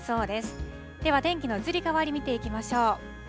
では、天気の移り変わり、見ていきましょう。